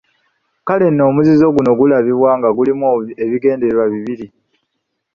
Kale nno omuzizo guno gulabibwa nga gulimu ebigendererwa bibiri.